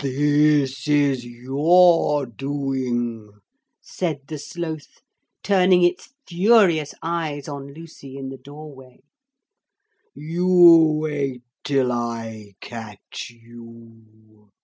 'This is your doing,' said the Sloth, turning its furious eyes on Lucy in the doorway. 'You wait till I catch you!'